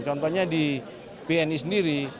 contohnya di bni sendiri